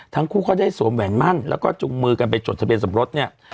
ทั้งคู่ก็ได้สวมแหวนมั่นแล้วก็จุงมือกันไปจดทะเบียนสมรสเนี่ย